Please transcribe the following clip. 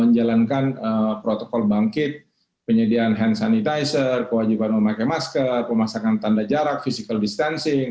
menjalankan protokol bangkit penyediaan hand sanitizer kewajiban memakai masker pemasakan tanda jarak physical distancing